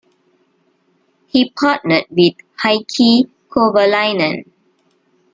He partnered with Heikki Kovalainen.